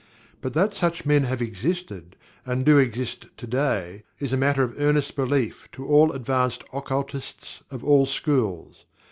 But that such men have existed, and do exist today, is a matter of earnest belief to all advanced occultists of all schools.